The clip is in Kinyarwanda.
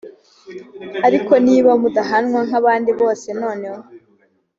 ariko niba mudahanwa nk abandi bose noneho